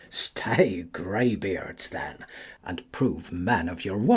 Stay grey beards then, and prove men of your words : SC.